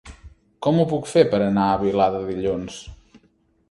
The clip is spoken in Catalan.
Com ho puc fer per anar a Vilada dilluns?